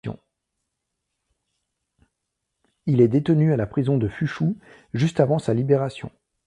Il est détenu à la prison de Fuchū juste avant sa libération.